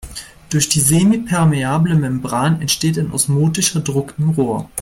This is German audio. Durch die semipermeable Membran entsteht ein osmotischer Druck im Rohr.